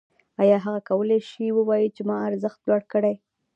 آیا هغه کولی شي ووايي چې ما ارزښت لوړ کړی